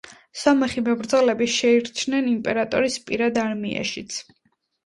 სომეხი მებრძოლები შეირჩნენ იმპერატორის პირად არმიაშიც.